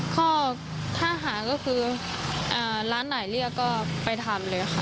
ข้อหาก็คือร้านไหนเรียกก็ไปทำเลยค่ะ